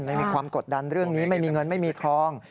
ไม่มีความกดดันเรื่องนี้ไม่มีเงินไม่มีทอง